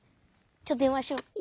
ちょっでんわしよ。